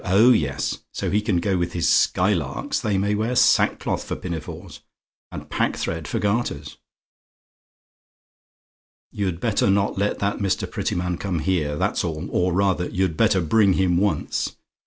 Oh, yes! So he can go with his Skylarks they may wear sackcloth for pinafores, and packthread for garters. "You'd better not let that Mr. Prettyman come here, that's all; or, rather, you'd better bring him once.